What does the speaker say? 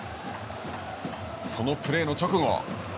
そのプレーの直後